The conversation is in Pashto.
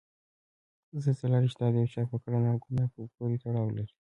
زلزله ریښتیا د یو چا په کړنه او ګناه پورې تړاو لري؟